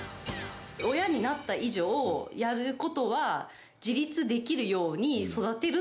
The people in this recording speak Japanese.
親になった以上、やることは自立できるように育てる。